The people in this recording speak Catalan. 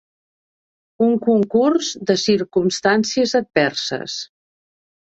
Un concurs de circumstàncies adverses.